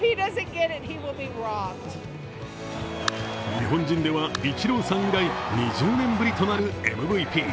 日本人では、イチローさん以来２０年ぶりとなるＭＶＰ。